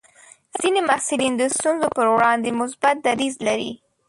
ځینې محصلین د ستونزو پر وړاندې مثبت دریځ لري.